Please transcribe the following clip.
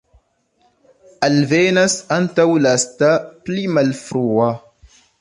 Alvenas antaulasta, pli malfrua.